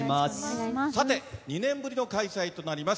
さて、２年ぶりの開催となります